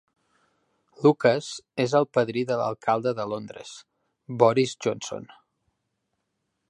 Lucas és el padrí de l'alcalde de Londres, Boris Johnson.